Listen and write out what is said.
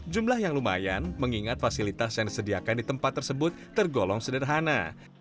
jumlah yang lumayan mengingat fasilitas yang disediakan di tempat tersebut tergolong sederhana